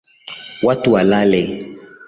Watu walale.